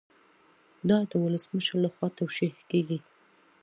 دا د ولسمشر لخوا توشیح کیږي.